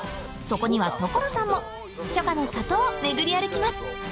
そこには所さんも初夏の里を巡り歩きます